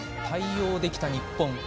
対応できた日本。